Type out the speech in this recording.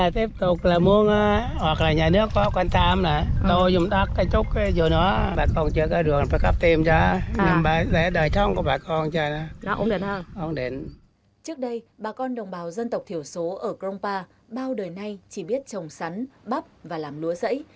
trước đây bà con đồng bào dân tộc thiểu số ở crongpa bao đời nay chỉ biết trồng sắn bắp và làm lúa rẫy